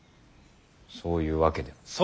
そういうわけでは。